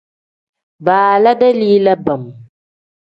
Baala dalila bam.